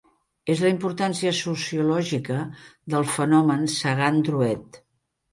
És la importància sociològica del fenomen Sagan-Drouet.